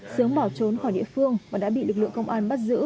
sướng bỏ trốn khỏi địa phương và đã bị lực lượng công an bắt giữ